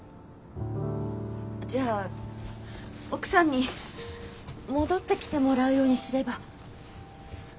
じゃあ奥さんに戻ってきてもらうようにすれば。